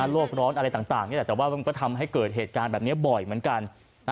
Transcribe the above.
โรคร้อนอะไรต่างนี่แหละแต่ว่ามันก็ทำให้เกิดเหตุการณ์แบบนี้บ่อยเหมือนกัน